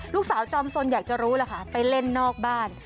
ลูกสาวจอมสนอยากจะรู้แหละไปเล่นนอกบ้าน